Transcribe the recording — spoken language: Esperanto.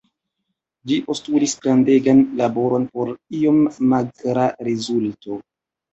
Ĝi postulis grandegan laboron por iom magra rezulto.